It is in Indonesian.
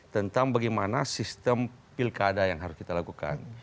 tentang bagaimana sistem pilkada yang harus kita lakukan